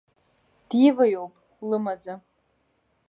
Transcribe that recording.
Диваиоуп, лымаӡа.